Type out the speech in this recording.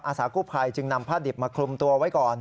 สากู้ภัยจึงนำผ้าดิบมาคลุมตัวไว้ก่อน